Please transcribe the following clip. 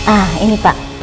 ah ini pak